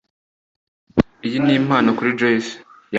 Iyi ni impano kuri Joyce.